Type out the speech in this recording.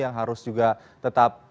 yang harus juga tetap